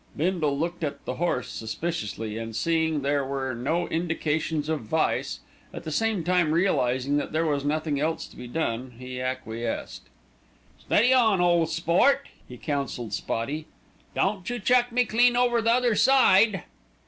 Bindle looked at the horse suspiciously and, seeing there were no indications of vice, at the same time realising that there was nothing else to be done, he acquiesced. "Steady on, ole sport," he counselled Spotty. "Don't you chuck me clean over the other side."